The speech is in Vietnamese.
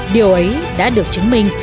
điều ấy đã được chứng minh